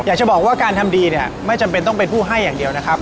อยากจะบอกว่าการทำดีเนี่ยไม่จำเป็นต้องเป็นผู้ให้อย่างเดียวนะครับ